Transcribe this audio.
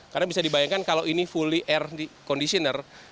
karena bisa dibayangkan kalau ini fully air conditioner